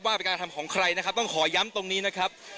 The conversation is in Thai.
ว่าเป็นการทำของใครนะครับต้องขอย้ำตรงนี้นะครับ